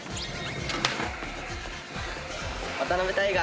渡邉大我